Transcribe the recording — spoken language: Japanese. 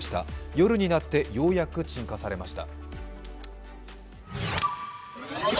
夜になってようやく鎮火されました。